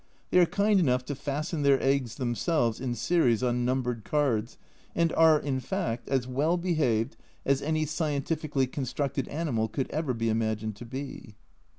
They are kind enough to fasten their eggs themselves in series on numbered cards, and are, in fact, as well behaved as any scientifically constructed animal could ever be imagined to be.